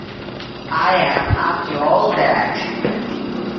I am up to all that.